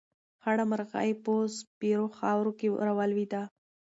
خړه مرغۍ په سپېرو خاورو کې راولوېده.